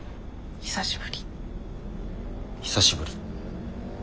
久しぶり。